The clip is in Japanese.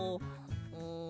うん。